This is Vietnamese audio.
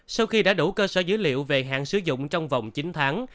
sau khi đã đủ cơ sở dữ liệu về hạn sử dụng trong vòng chín tháng